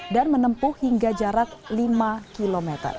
dan menempuh hingga jarak lima km